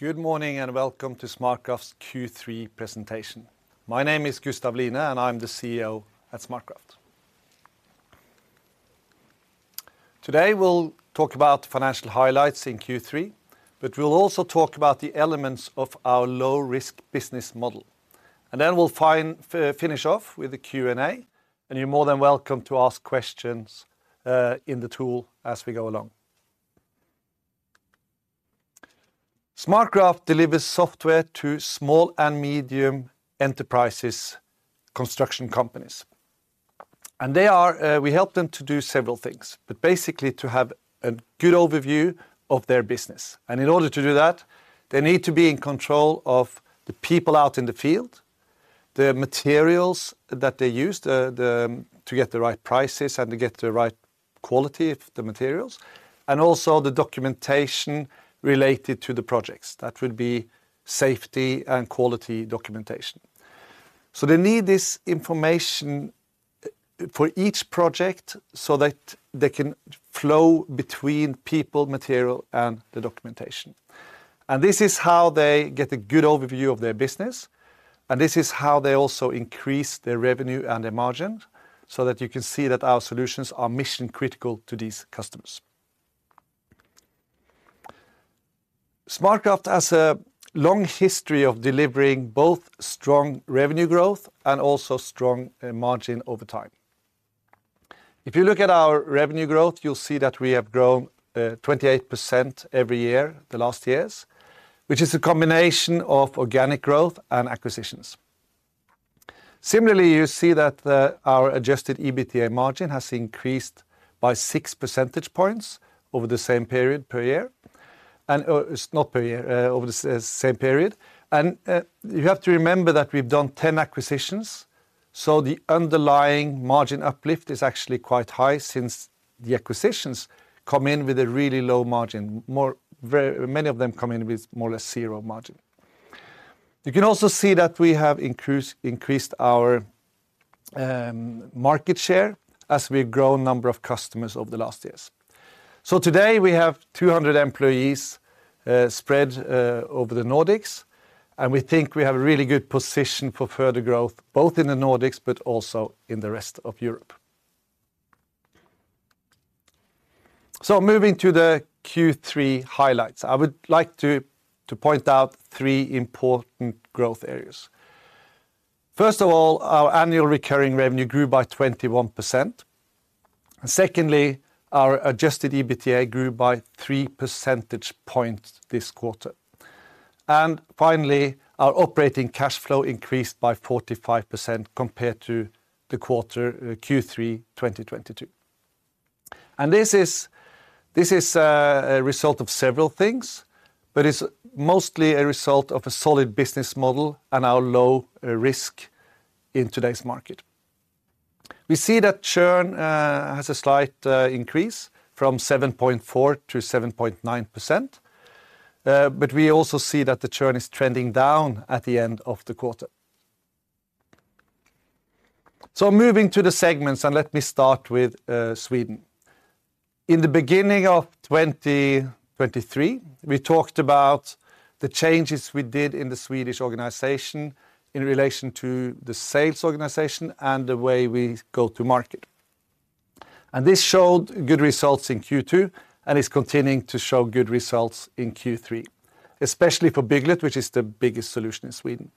Good morning, and welcome to SmartCraft's Q3 presentation. My name is Gustav Line, and I'm the CEO at SmartCraft. Today, we'll talk about financial highlights in Q3, but we'll also talk about the elements of our low-risk business model. And then we'll finish off with a Q&A, and you're more than welcome to ask questions in the tool as we go along. SmartCraft delivers software to small and medium enterprises, construction companies. We help them to do several things, but basically to have a good overview of their business. And in order to do that, they need to be in control of the people out in the field, the materials that they use, to get the right prices and to get the right quality of the materials, and also the documentation related to the projects. That would be safety and quality documentation. So they need this information for each project so that they can flow between people, material, and the documentation. And this is how they get a good overview of their business, and this is how they also increase their revenue and their margin, so that you can see that our solutions are mission-critical to these customers. SmartCraft has a long history of delivering both strong revenue growth and also strong margin over time. If you look at our revenue growth, you'll see that we have grown 28% every year, the last years, which is a combination of organic growth and acquisitions. Similarly, you see that our adjusted EBITDA margin has increased by 6 percentage points over the same period per year, and it's not per year over the same period. You have to remember that we've done 10 acquisitions, so the underlying margin uplift is actually quite high since the acquisitions come in with a really low margin. Many of them come in with more or less zero margin. You can also see that we have increased our market share as we've grown number of customers over the last years. So today, we have 200 employees spread over the Nordics, and we think we have a really good position for further growth, both in the Nordics but also in the rest of Europe. So moving to the Q3 highlights, I would like to point out three important growth areas. First of all, our annual recurring revenue grew by 21%. Secondly, our adjusted EBITDA grew by 3 percentage points this quarter. Finally, our operating cash flow increased by 45% compared to the quarter Q3 2022. This is a result of several things, but it's mostly a result of a solid business model and our low risk in today's market. We see that churn has a slight increase from 7.4% to 7.9%, but we also see that the churn is trending down at the end of the quarter. Moving to the segments, let me start with Sweden. In the beginning of 2023, we talked about the changes we did in the Swedish organization in relation to the sales organization and the way we go to market. This showed good results in Q2 and is continuing to show good results in Q3, especially for Bygglet, which is the biggest solution in Sweden.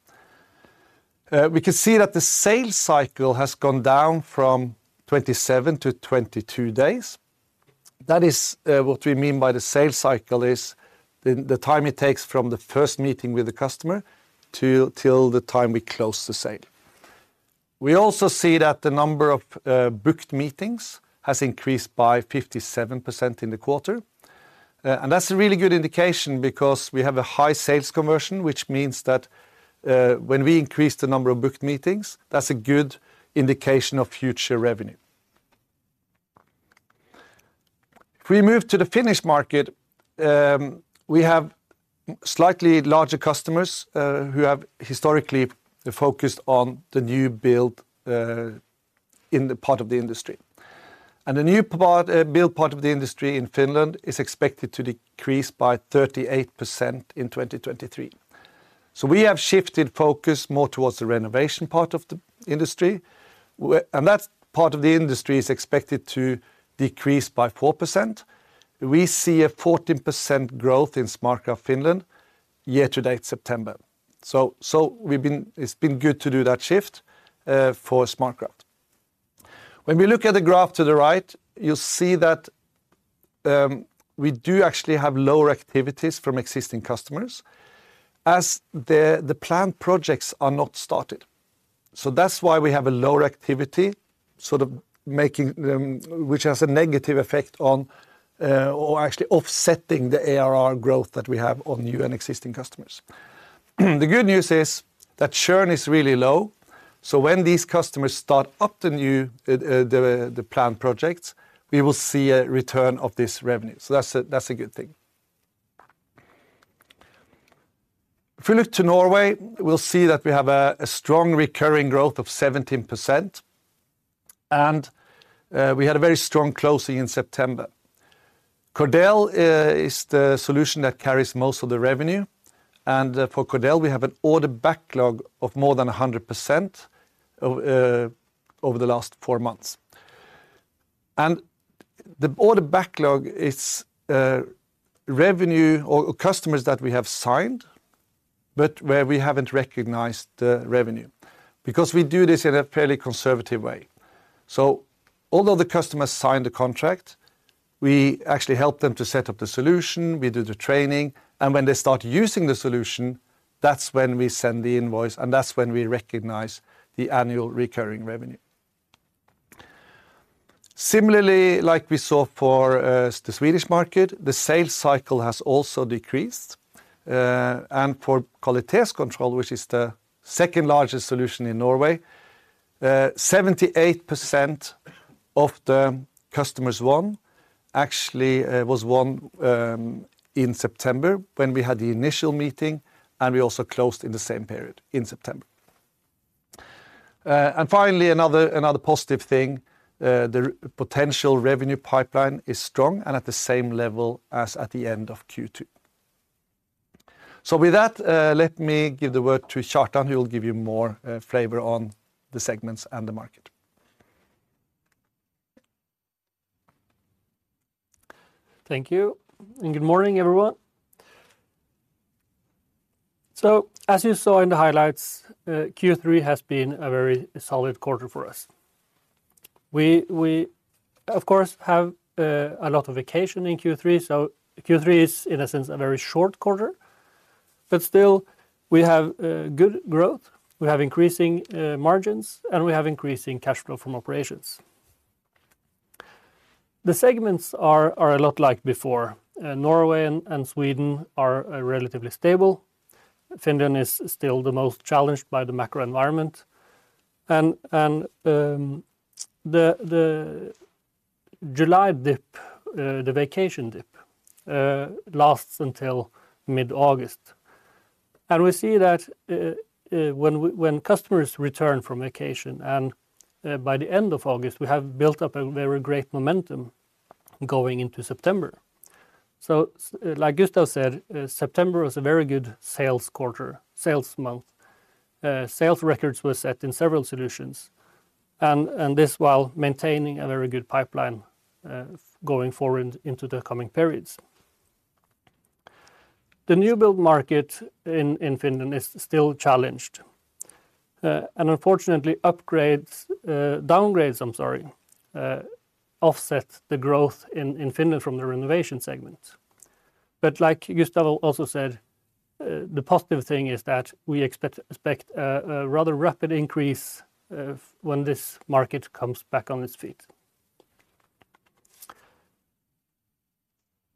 We can see that the sales cycle has gone down from 27 to 22 days. That is, what we mean by the sales cycle is the time it takes from the first meeting with the customer to till the time we close the sale. We also see that the number of booked meetings has increased by 57% in the quarter. And that's a really good indication because we have a high sales conversion, which means that, when we increase the number of booked meetings, that's a good indication of future revenue. If we move to the Finnish market, we have slightly larger customers, who have historically focused on the new build in the part of the industry. And the new part, build part of the industry in Finland is expected to decrease by 38% in 2023. So we have shifted focus more towards the renovation part of the industry, and that part of the industry is expected to decrease by 4%. We see a 14% growth in SmartCraft Finland, year to date, September. It's been good to do that shift for SmartCraft. When we look at the graph to the right, you'll see that we do actually have lower activities from existing customers as the planned projects are not started. So that's why we have a lower activity, sort of making, which has a negative effect on, or actually offsetting the ARR growth that we have on new and existing customers. The good news is that churn is really low, so when these customers start up the new planned projects, we will see a return of this revenue. So that's a good thing. If we look to Norway, we'll see that we have a strong recurring growth of 17%. And we had a very strong closing in September. Cordel is the solution that carries most of the revenue, and for Cordel, we have an order backlog of more than 100% over the last four months. And the order backlog is revenue or customers that we have signed, but where we haven't recognized the revenue, because we do this in a fairly conservative way. So although the customer signed the contract, we actually help them to set up the solution, we do the training, and when they start using the solution, that's when we send the invoice, and that's when we recognize the annual recurring revenue. Similarly, like we saw for the Swedish market, the sales cycle has also decreased. And for Quality Control, which is the second-largest solution in Norway, 78% of the customers won, actually, was won in September, when we had the initial meeting, and we also closed in the same period, in September. And finally, another, another positive thing, the potential revenue pipeline is strong and at the same level as at the end of Q2. So with that, let me give the word to Kjartan, who will give you more flavor on the segments and the market. Thank you, and good morning, everyone. So, as you saw in the highlights, Q3 has been a very solid quarter for us. We, of course, have a lot of vacation in Q3, so Q3 is, in a sense, a very short quarter, but still, we have good growth. We have increasing margins, and we have increasing cash flow from operations. The segments are a lot like before. Norway and Sweden are relatively stable. Finland is still the most challenged by the macro environment. And the July dip, the vacation dip, lasts until mid-August. And we see that when customers return from vacation, and by the end of August, we have built up a very great momentum going into September. So like Gustav said, September was a very good sales quarter, sales month. Sales records were set in several solutions, and this while maintaining a very good pipeline, going forward into the coming periods. The new build market in Finland is still challenged, and unfortunately, downgrades, I'm sorry, offset the growth in Finland from the renovation segment. But like Gustav also said, the positive thing is that we expect a rather rapid increase, when this market comes back on its feet.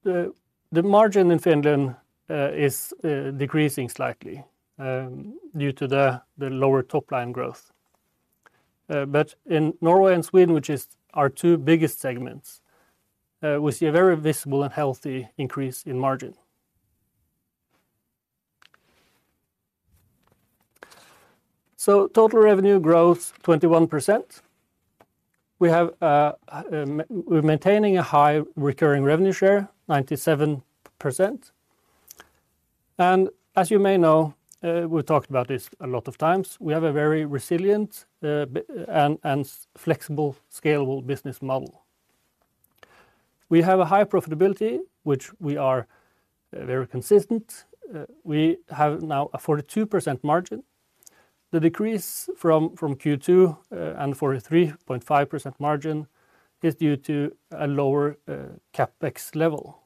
The margin in Finland is decreasing slightly, due to the lower top-line growth. But in Norway and Sweden, which is our two biggest segments, we see a very visible and healthy increase in margin. So total revenue growth, 21%. We have, we're maintaining a high recurring revenue share, 97%. As you may know, we've talked about this a lot of times, we have a very resilient and flexible, scalable business model. We have a high profitability, which we are very consistent. We have now a 42% margin. The decrease from Q2 and 43.5% margin is due to a lower CapEx level.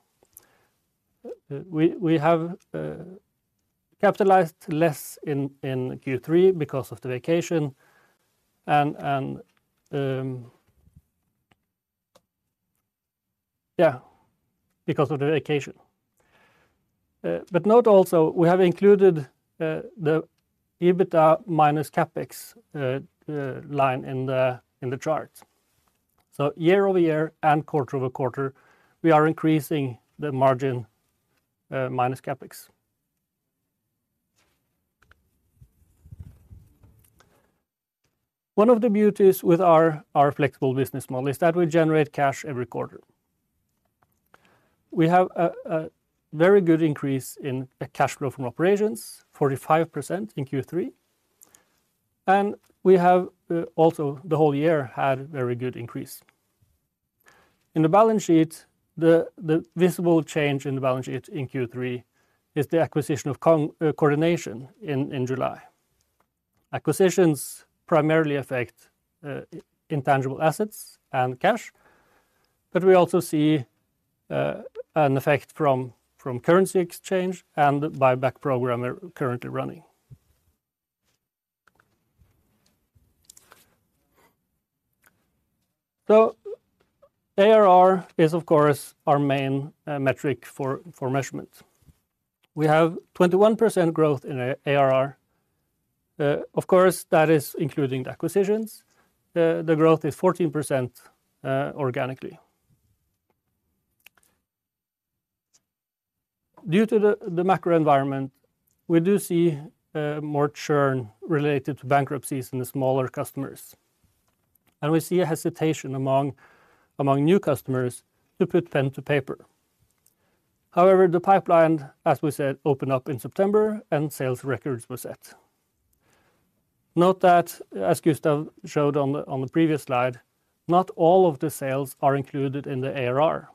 We have capitalized less in Q3 because of the vacation and, yeah, because of the vacation. But note also, we have included the EBITDA minus CapEx line in the chart. So year-over-year and quarter-over-quarter, we are increasing the margin minus CapEx. One of the beauties with our, our flexible business model is that we generate cash every quarter. We have a, a very good increase in the cash flow from operations, 45% in Q3, and we have also the whole year had very good increase. In the balance sheet, the, the visible change in the balance sheet in Q3 is the acquisition of Coredination in July. Acquisitions primarily affect intangible assets and cash, but we also see an effect from currency exchange and buyback program we're currently running. So ARR is, of course, our main metric for measurement. We have 21% growth in ARR. Of course, that is including the acquisitions. The growth is 14% organically. Due to the macro environment, we do see more churn related to bankruptcies in the smaller customers. We see a hesitation among, among new customers to put pen to paper. However, the pipeline, as we said, opened up in September and sales records were set. Note that, as Gustav showed on the, on the previous slide, not all of the sales are included in the ARR,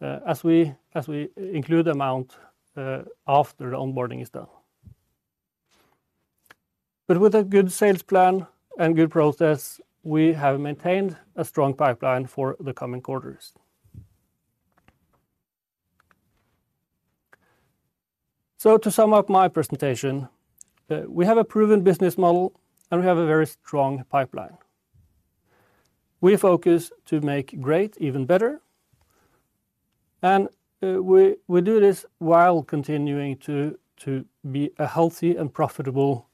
as we, as we include the amount, after the onboarding is done. But with a good sales plan and good process, we have maintained a strong pipeline for the coming quarters. So to sum up my presentation, we have a proven business model, and we have a very strong pipeline. We focus to make great even better, and, we, we do this while continuing to, to be a healthy and profitable,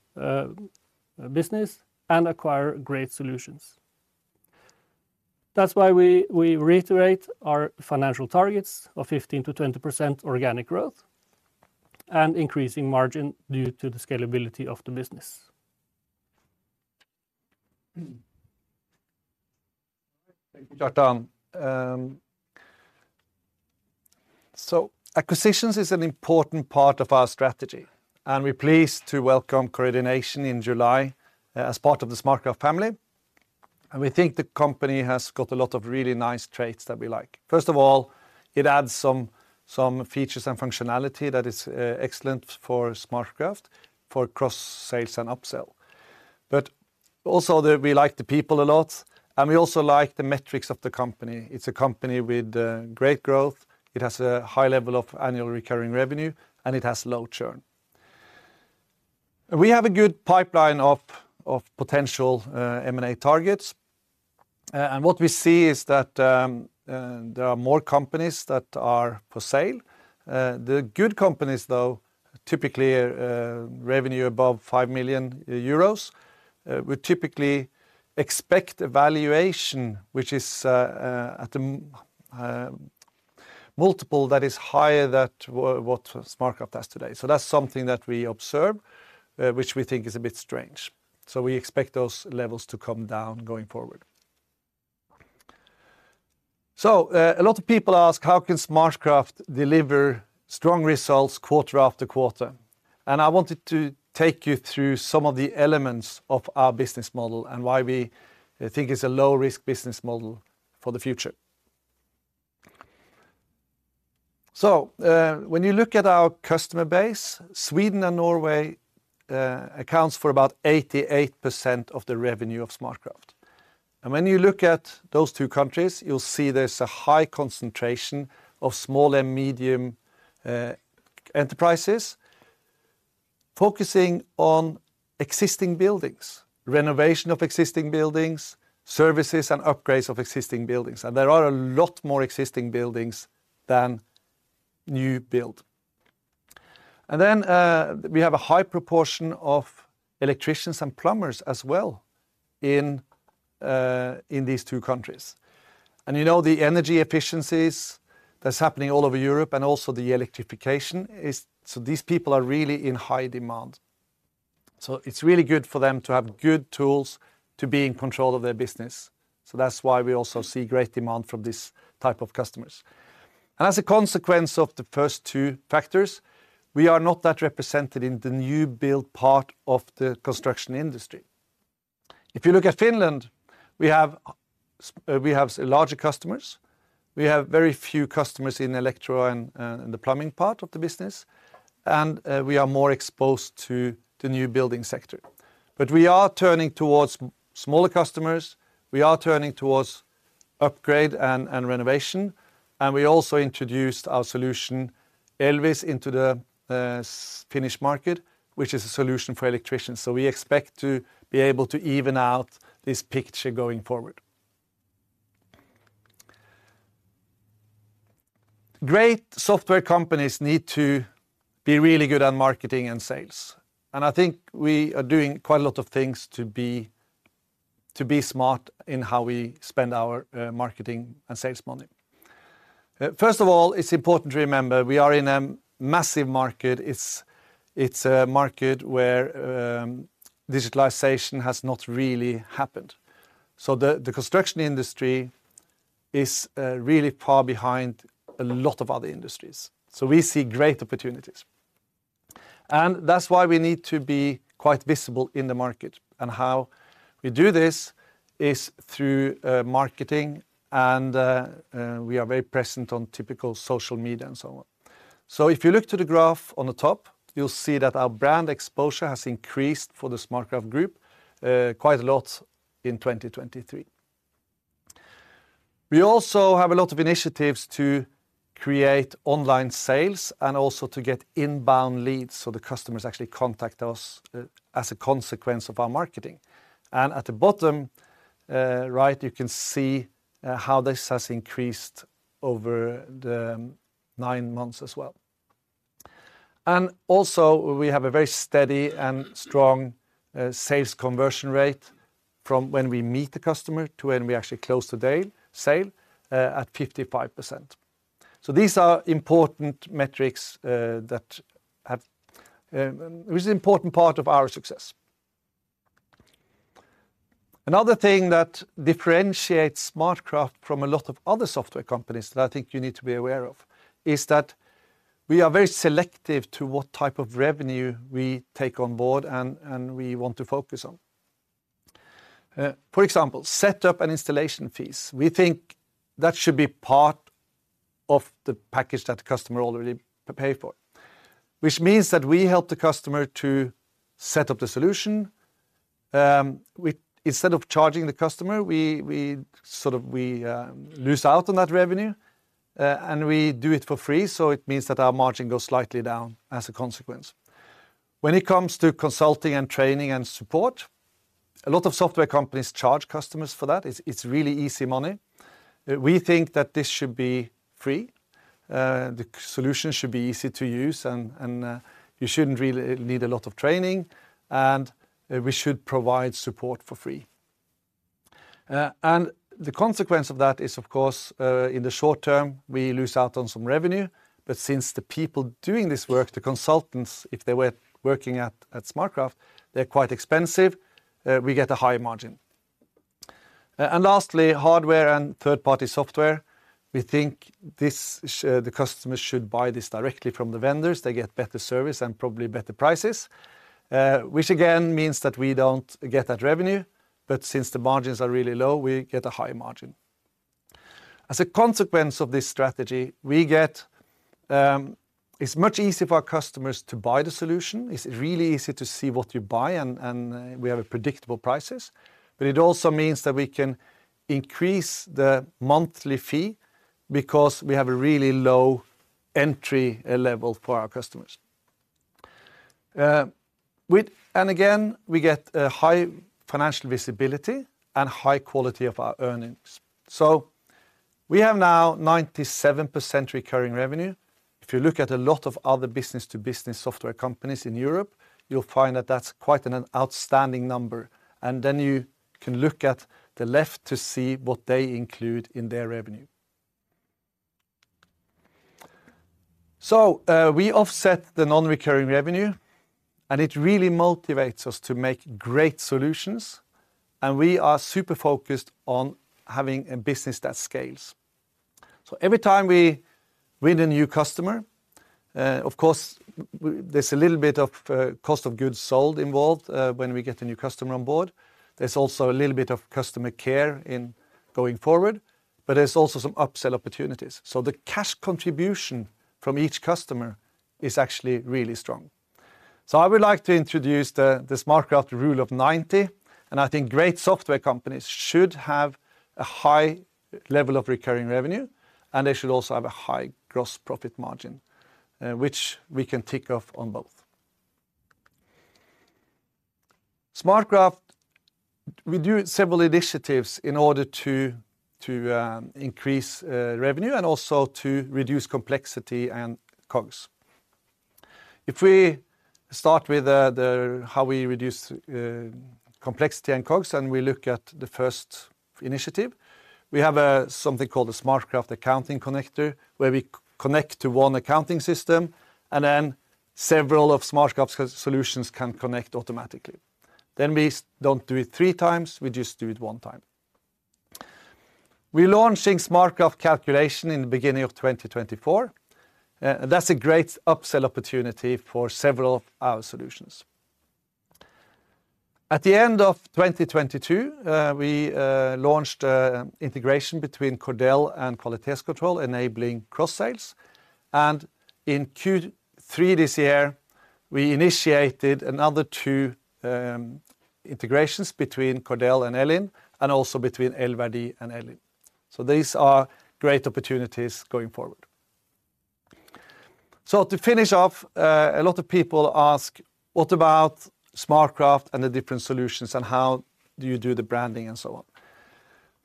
business and acquire great solutions. That's why we reiterate our financial targets of 15%-20% organic growth and increasing margin due to the scalability of the business. Thank you, Kjartan. So acquisitions is an important part of our strategy, and we're pleased to welcome Coredination in July as part of the SmartCraft family, and we think the company has got a lot of really nice traits that we like. First of all, it adds some features and functionality that is excellent for SmartCraft, for cross-sales and upsell. But also, we like the people a lot, and we also like the metrics of the company. It's a company with great growth, it has a high level of annual recurring revenue, and it has low churn. We have a good pipeline of potential M&A targets, and what we see is that there are more companies that are for sale. The good companies, though, typically, revenue above 5 million euros, we typically expect a valuation which is, at a, multiple that is higher than what, what SmartCraft does today. So that's something that we observe, which we think is a bit strange. So we expect those levels to come down going forward. So, a lot of people ask: How can SmartCraft deliver strong results quarter after quarter? And I wanted to take you through some of the elements of our business model and why we, I think, it's a low-risk business model for the future. So, when you look at our customer base, Sweden and Norway, accounts for about 88% of the revenue of SmartCraft. When you look at those two countries, you'll see there's a high concentration of small and medium enterprises focusing on existing buildings, renovation of existing buildings, services and upgrades of existing buildings. There are a lot more existing buildings than new build. Then we have a high proportion of electricians and plumbers as well in these two countries. You know, the energy efficiencies that's happening all over Europe and also the electrification is, so these people are really in high demand. So it's really good for them to have good tools to be in control of their business. So that's why we also see great demand from this type of customers. As a consequence of the first two factors, we are not that represented in the new build part of the construction industry. If you look at Finland, we have larger customers. We have very few customers in electro and the plumbing part of the business, and we are more exposed to the new building sector. But we are turning towards smaller customers, we are turning towards upgrade and renovation, and we also introduced our solution, Elvis, into the Finnish market, which is a solution for electricians. So we expect to be able to even out this picture going forward. Great software companies need to be really good at marketing and sales, and I think we are doing quite a lot of things to be smart in how we spend our marketing and sales money. First of all, it's important to remember, we are in a massive market. It's a market where digitalization has not really happened. So the construction industry is really far behind a lot of other industries, so we see great opportunities. And that's why we need to be quite visible in the market. And how we do this is through marketing and we are very present on typical social media and so on. So if you look to the graph on the top, you'll see that our brand exposure has increased for the SmartCraft group quite a lot in 2023. We also have a lot of initiatives to create online sales and also to get inbound leads, so the customers actually contact us as a consequence of our marketing. And at the bottom right you can see how this has increased over the nine months as well.... Also, we have a very steady and strong sales conversion rate from when we meet the customer to when we actually close the sale at 55%. So these are important metrics, which is an important part of our success. Another thing that differentiates SmartCraft from a lot of other software companies that I think you need to be aware of is that we are very selective to what type of revenue we take on board and we want to focus on. For example, set up and installation fees. We think that should be part of the package that the customer already pay for, which means that we help the customer to set up the solution. Instead of charging the customer, we sort of lose out on that revenue, and we do it for free, so it means that our margin goes slightly down as a consequence. When it comes to consulting and training and support, a lot of software companies charge customers for that. It's really easy money. We think that this should be free, the solution should be easy to use and you shouldn't really need a lot of training, and we should provide support for free. And the consequence of that is, of course, in the short term, we lose out on some revenue, but since the people doing this work, the consultants, if they were working at SmartCraft, they're quite expensive, we get a high margin. Lastly, hardware and third-party software, we think the customers should buy this directly from the vendors. They get better service and probably better prices, which again means that we don't get that revenue, but since the margins are really low, we get a high margin. As a consequence of this strategy, we get. It's much easier for our customers to buy the solution. It's really easy to see what you buy, and we have predictable prices. But it also means that we can increase the monthly fee because we have a really low entry level for our customers. And again, we get a high financial visibility and high quality of our earnings. So we have now 97% recurring revenue. If you look at a lot of other business-to-business software companies in Europe, you'll find that that's quite an outstanding number, and then you can look at the left to see what they include in their revenue. So, we offset the non-recurring revenue, and it really motivates us to make great solutions, and we are super focused on having a business that scales. So every time we win a new customer, of course, there's a little bit of cost of goods sold involved when we get a new customer on board. There's also a little bit of customer care in going forward, but there's also some upsell opportunities. So the cash contribution from each customer is actually really strong. So I would like to introduce the SmartCraft Rule of Ninety, and I think great software companies should have a high level of recurring revenue, and they should also have a high gross profit margin, which we can tick off on both. SmartCraft, we do several initiatives in order to increase revenue and also to reduce complexity and COGS. If we start with how we reduce complexity and COGS, and we look at the first initiative, we have something called the SmartCraft Accounting Connector, where we connect to one accounting system, and then several of SmartCraft's solutions can connect automatically. Then we don't do it three times; we just do it one time. We're launching SmartCraft Calculation in the beginning of 2024, and that's a great upsell opportunity for several of our solutions. At the end of 2022, we launched integration between Cordel and Quality Control, enabling cross-sales. And in Q3 this year, we initiated another two integrations between Cordel and Elvis and also between Elverdi and Elvis. So these are great opportunities going forward. So to finish off, a lot of people ask: What about SmartCraft and the different solutions, and how do you do the branding, and so on?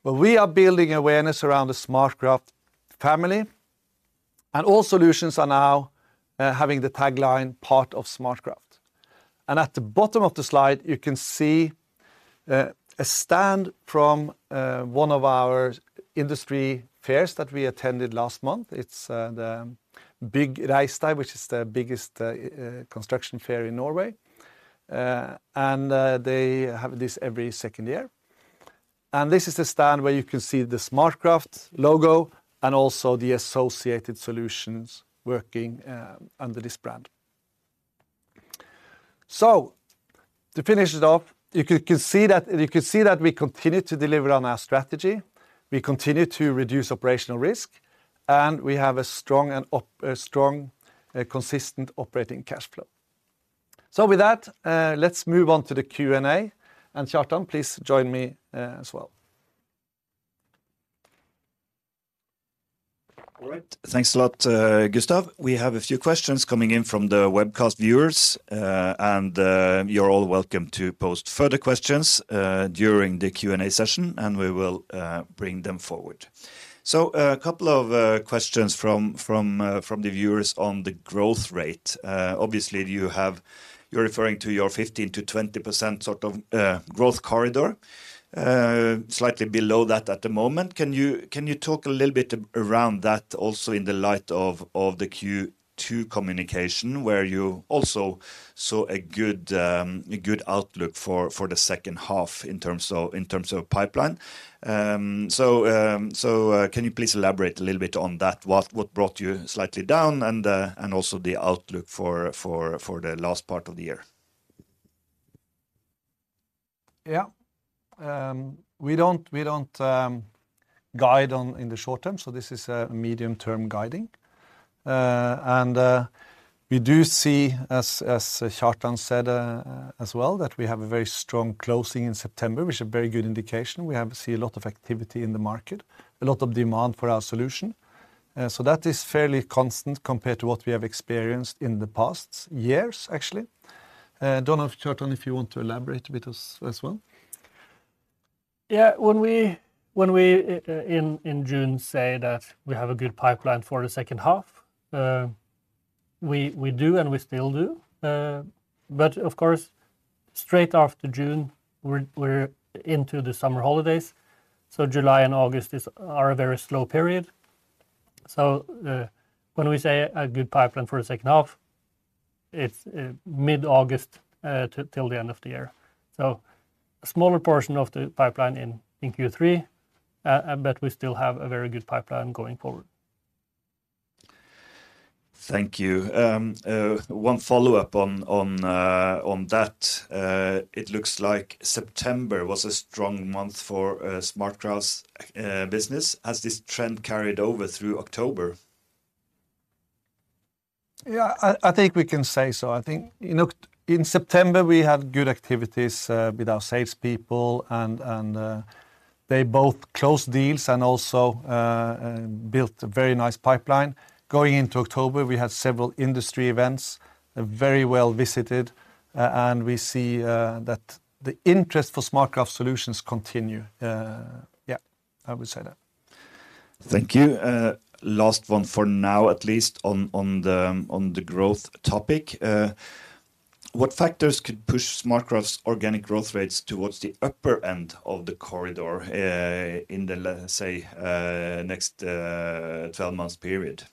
Well, we are building awareness around the SmartCraft family, and all solutions are now having the tagline, "Part of SmartCraft." And at the bottom of the slide, you can see a stand from one of our industry fairs that we attended last month. It's the big Reistad, which is the biggest construction fair in Norway. And they have this every second year. This is the stand where you can see the SmartCraft logo and also the associated solutions working under this brand. To finish it off, you can see that we continue to deliver on our strategy, we continue to reduce operational risk, and we have a strong, a consistent operating cash flow. With that, let's move on to the Q&A, and Kjartan, please join me as well. All right, thanks a lot, Gustav. We have a few questions coming in from the webcast viewers, and you're all welcome to post further questions during the Q&A session, and we will bring them forward. So, a couple of questions from the viewers on the growth rate. Obviously, you're referring to your 15%-20% sort of growth corridor, slightly below that at the moment. Can you talk a little bit around that also in the light of the Q2 communication, where you also saw a good outlook for the second half in terms of pipeline? So, can you please elaborate a little bit on that? What brought you slightly down and also the outlook for the last part of the year? Yeah. We don't, we don't guide on in the short term, so this is a medium-term guiding. And we do see, as Kjartan said as well, that we have a very strong closing in September, which is a very good indication. We have see a lot of activity in the market, a lot of demand for our solution. So that is fairly constant compared to what we have experienced in the past years, actually. Don't know if Kjartan if you want to elaborate a bit as well. Yeah, in June we say that we have a good pipeline for the second half, we do, and we still do. But of course, straight after June, we're into the summer holidays, so July and August are a very slow period. So, when we say a good pipeline for the second half, it's mid-August till the end of the year. So a smaller portion of the pipeline in Q3, but we still have a very good pipeline going forward. Thank you. One follow-up on that. It looks like September was a strong month for SmartCraft's business. Has this trend carried over through October? Yeah, I think we can say so. I think, you know, in September, we had good activities with our salespeople, and they both closed deals and also built a very nice pipeline. Going into October, we had several industry events, very well visited, and we see that the interest for SmartCraft solutions continue. Yeah, I would say that. Thank you. Last one for now, at least on the growth topic. What factors could push SmartCraft's organic growth rates towards the upper end of the corridor, in the, let's say, next 12 months period?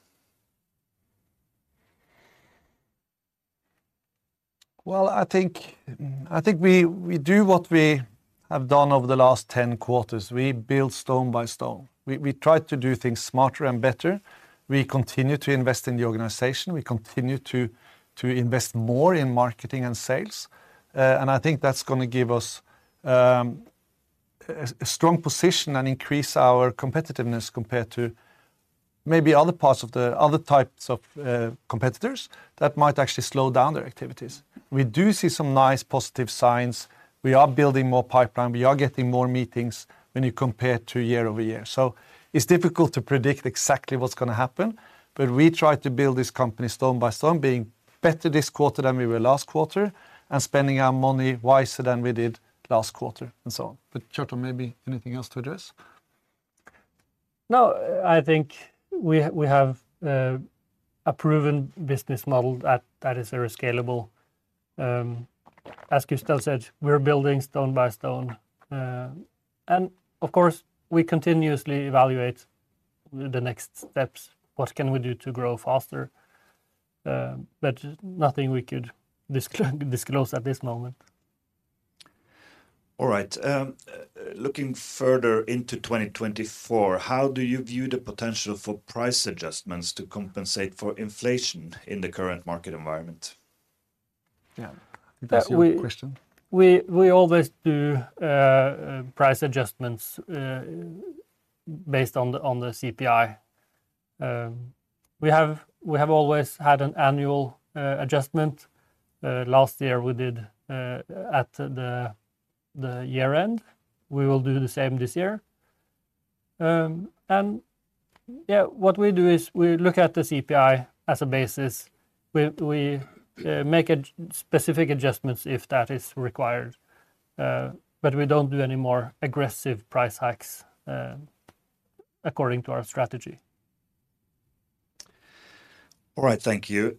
Well, I think, I think we, we do what we have done over the last 10 quarters. We build stone by stone. We, we try to do things smarter and better. We continue to invest in the organization. We continue to, to invest more in marketing and sales. And I think that's gonna give us a strong position and increase our competitiveness compared to maybe other types of competitors that might actually slow down their activities. We do see some nice positive signs. We are building more pipeline. We are getting more meetings when you compare year-over-year. So it's difficult to predict exactly what's gonna happen, but we try to build this company stone by stone, being better this quarter than we were last quarter, and spending our money wiser than we did last quarter, and so on. But, Kjartan, maybe anything else to add to this? No, I think we have a proven business model that is very scalable. As Gustav said, we're building stone by stone. And of course, we continuously evaluate the next steps, what can we do to grow faster? But nothing we could disclose at this moment. All right, looking further into 2024, how do you view the potential for price adjustments to compensate for inflation in the current market environment? Yeah, that's your question. We always do price adjustments based on the CPI. We have always had an annual adjustment. Last year, we did at the year-end. We will do the same this year. And yeah, what we do is we look at the CPI as a basis. We make a specific adjustments if that is required, but we don't do any more aggressive price hikes according to our strategy. All right, thank you.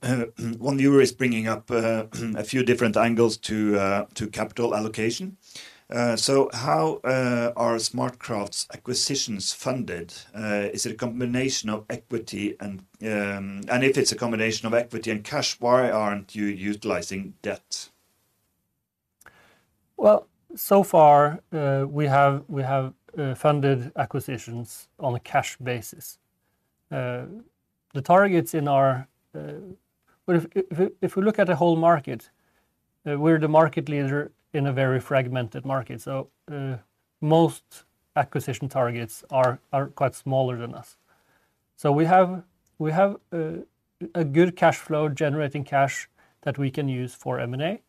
One viewer is bringing up a few different angles to capital allocation. So how are SmartCraft's acquisitions funded? Is it a combination of equity and... And if it's a combination of equity and cash, why aren't you utilizing debt? Well, so far, we have funded acquisitions on a cash basis. The targets in our... But if we look at the whole market, we're the market leader in a very fragmented market, so most acquisition targets are quite smaller than us. So we have a good cash flow, generating cash that we can use for M&A.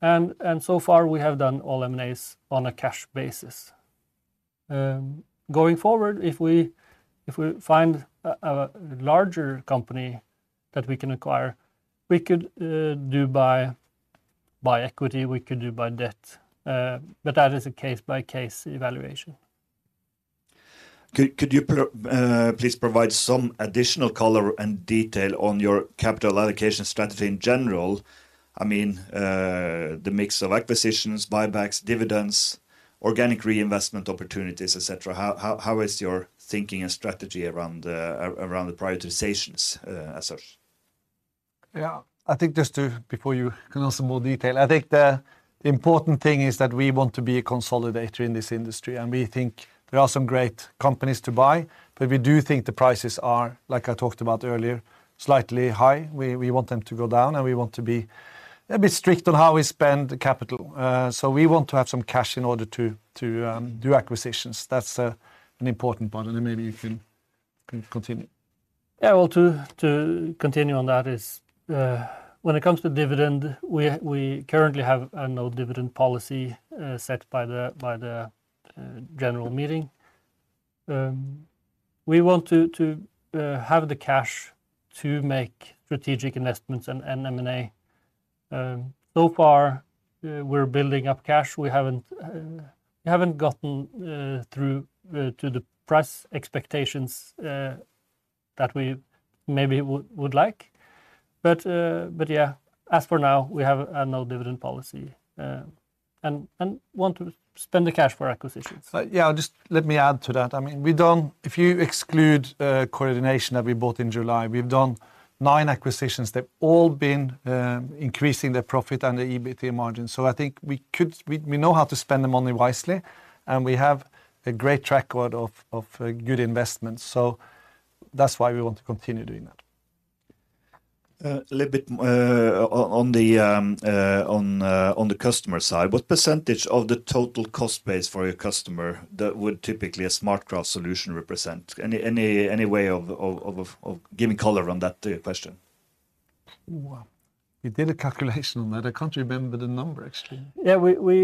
And so far, we have done all M&As on a cash basis. Going forward, if we find a larger company that we can acquire, we could do by equity, we could do by debt. But that is a case-by-case evaluation. Could you please provide some additional color and detail on your capital allocation strategy in general? I mean, the mix of acquisitions, buybacks, dividends, organic reinvestment opportunities, et cetera. How is your thinking and strategy around the prioritizations, as such? Yeah, I think just to, before you can answer more detail, I think the important thing is that we want to be a consolidator in this industry, and we think there are some great companies to buy. But we do think the prices are, like I talked about earlier, slightly high. We want them to go down, and we want to be a bit strict on how we spend the capital. So we want to have some cash in order to do acquisitions. That's an important part, and then maybe you can continue. Yeah, well, to continue on that, when it comes to dividend, we currently have a no-dividend policy set by the general meeting. We want to have the cash to make strategic investments and M&A. So far, we're building up cash. We haven't gotten through to the price expectations that we maybe would like, but yeah, as for now, we have a no-dividend policy and want to spend the cash for acquisitions. Yeah, just let me add to that. I mean, if you exclude Coredination that we bought in July, we've done nine acquisitions. They've all been increasing their profit and the EBITDA margin. So I think we know how to spend the money wisely, and we have a great track record of good investments, so that's why we want to continue doing that. A little bit on the customer side, what percentage of the total cost base for your customer that would typically a SmartCraft solution represent? Any way of giving color on that question? Wow! We did a calculation on that. I can't remember the number, actually. Yeah, we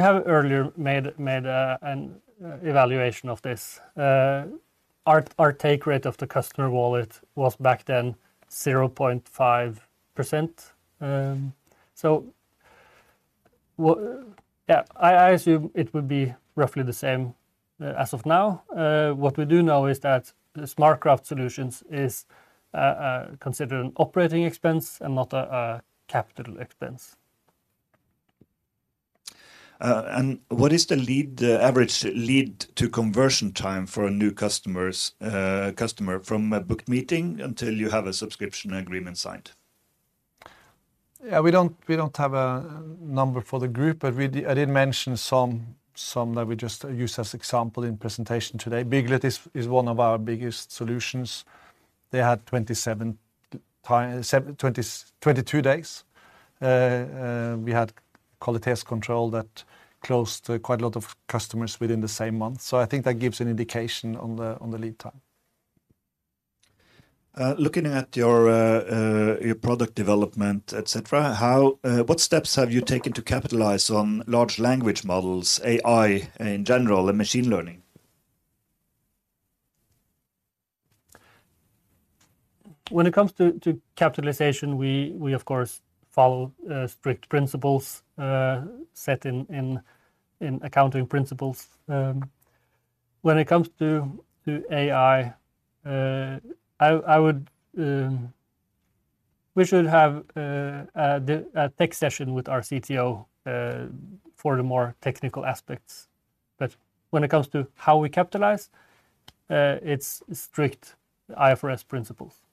have earlier made an evaluation of this. Our take rate of the customer wallet was back then 0.5%. So what... Yeah, I assume it would be roughly the same as of now. What we do know is that the SmartCraft solutions is considered an operating expense and not a capital expense. What is the average lead to conversion time for a new customer from a booked meeting until you have a subscription agreement signed? Yeah, we don't have a number for the group, but we did mention some that we just used as example in presentation today. Bygglet is one of our biggest solutions. They had 27, 17, 20, 22 days. We had Quality Control that closed quite a lot of customers within the same month, so I think that gives an indication on the lead time. Looking at your product development, et cetera, what steps have you taken to capitalize on large language models, AI in general, and machine learning? When it comes to capitalization, we of course follow strict principles set in accounting principles. When it comes to AI, we should have a tech session with our CTO for the more technical aspects. But when it comes to how we capitalize, it's strict IFRS principles.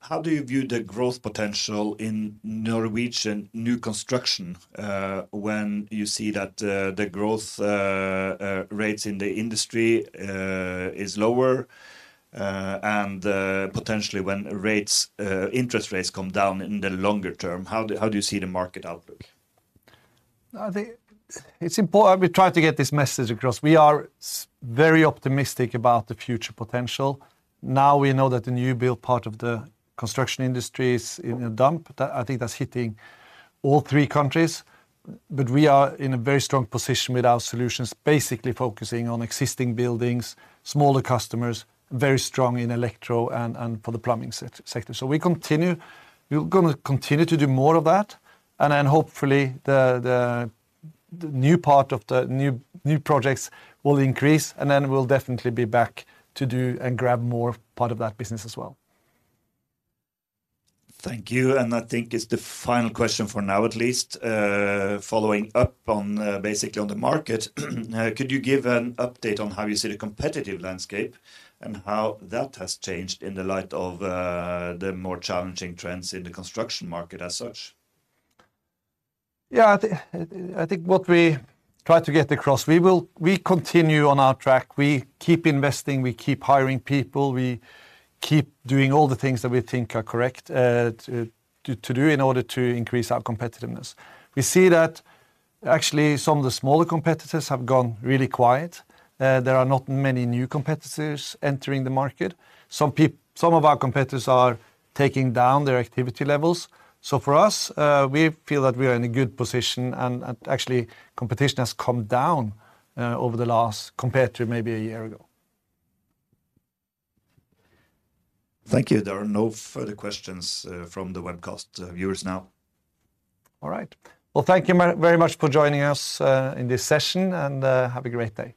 How do you view the growth potential in Norwegian new construction, when you see that the growth rates in the industry is lower, and potentially when interest rates come down in the longer term? How do you see the market outlook? I think it's important we try to get this message across. We are very optimistic about the future potential. Now, we know that the new build part of the construction industry is in a slump. That, I think that's hitting all three countries. But we are in a very strong position with our solutions, basically focusing on existing buildings, smaller customers, very strong in electro and for the plumbing sector. So we continue, we're gonna continue to do more of that, and then hopefully, the new part of the new projects will increase, and then we'll definitely be back to do and grab more part of that business as well. Thank you, and I think it's the final question for now, at least. Following up on, basically, on the market, could you give an update on how you see the competitive landscape and how that has changed in the light of, the more challenging trends in the construction market as such? Yeah, I think what we try to get across, we continue on our track. We keep investing, we keep hiring people, we keep doing all the things that we think are correct to do in order to increase our competitiveness. We see that actually, some of the smaller competitors have gone really quiet. There are not many new competitors entering the market. Some of our competitors are taking down their activity levels. So for us, we feel that we are in a good position, and actually, competition has come down over the last Compared to maybe a year ago. Thank you. There are no further questions from the webcast viewers now. All right. Well, thank you very, very much for joining us in this session, and have a great day!